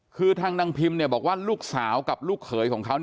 คือทางนางพิมบอกว่าลูกสาวกับลูกเขยของเขา